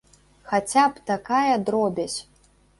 Хаця б такая дробязь!